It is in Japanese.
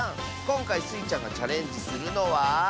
こんかいスイちゃんがチャレンジするのは？